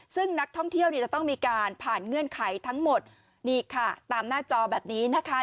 ซึ่งนักท่องเที่ยวเนี่ยจะต้องมีการผ่านเงื่อนไขทั้งหมดนี่ค่ะตามหน้าจอแบบนี้นะคะ